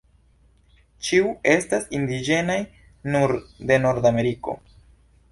Ĉiu estas indiĝenaj nur de Nordameriko.